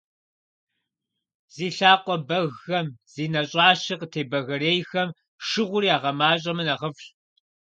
Зи лъакъуэ бэгхэм, зи нэщӀащэ къытебэгэрейхэм шыгъур ягъэмащӀэмэ нэхъыфӀщ.